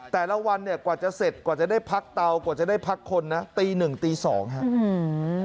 แต่ละวันกว่าจะเสร็จกว่าจะได้พักเตากว่าจะได้พักคนนะตี๑ตี๒ครับ